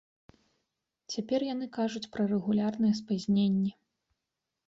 Цяпер яны кажуць пра рэгулярныя спазненні.